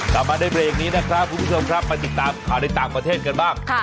กลับมาในเบรกนี้นะครับคุณผู้ชมครับมาติดตามข่าวในต่างประเทศกันบ้าง